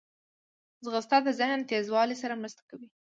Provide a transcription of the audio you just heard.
ځغاسته د ذهن تیزوالي سره مرسته کوي